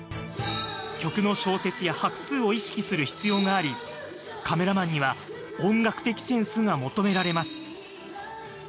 曲の小節や拍数を意識する必要がありカメラマンには音楽的センスが求められます。